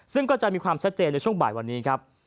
ซึ่งก็จะมีความชัดเจนในช่วงบ่ายวันนี้ครับ